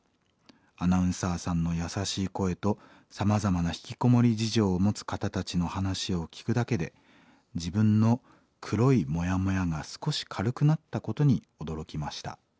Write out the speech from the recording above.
アナウンサーさんの優しい声とさまざまなひきこもり事情を持つ方たちの話を聞くだけで自分の黒いモヤモヤが少し軽くなったことに驚きました。